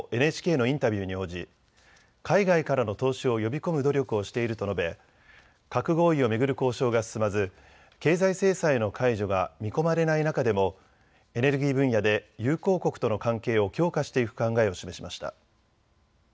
ＮＨＫのインタビューに応じ、海外からの投資を呼び込む努力をしていると述べ、核合意を巡る交渉が進まず経済制裁の解除が見込まれない中でもエネルギー分野で友好国との関係を強化していく考えを示しました。